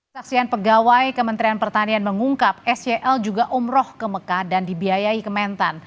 saksian pegawai kementerian pertanian mengungkap sel juga umroh ke mekah dan dibiayai kementan